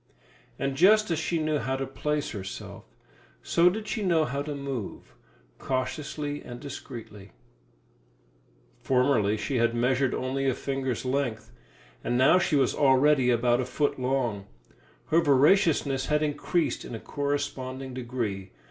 And just as she knew how to place herself, so did she know how to move cautiously and discreetly. Formerly she had measured only a finger's length, and now she was already about a foot long; her voraciousness had increased in a corresponding degree.